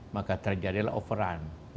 maka terjadilah overrun